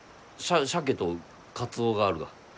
シャケとカツオがあるが。